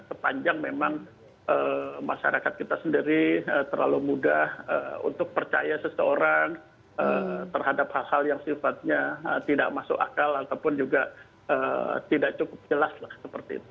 sepanjang memang masyarakat kita sendiri terlalu mudah untuk percaya seseorang terhadap hal hal yang sifatnya tidak masuk akal ataupun juga tidak cukup jelas lah seperti itu